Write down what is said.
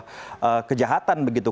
sebagai sebuah kejahatan begitu